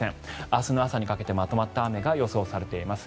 明日の朝にかけてまとまった雨が予想されています。